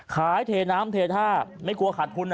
ขายเทน้ำเททาบไม่กลัวขาดคุณ